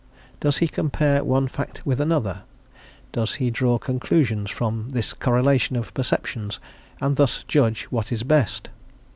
Does he compare one fact with another? Does he draw conclusions from this correlation of perceptions, and thus judge what is best?